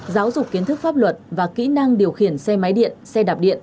giáo dục kiến thức pháp luật và kỹ năng điều khiển xe máy điện xe đạp điện